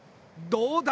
どうだ？